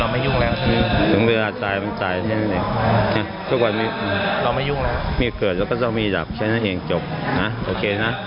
ไม่เกิดแล้วก็จะมีหลักใช้ให้เองจบโอเคนะ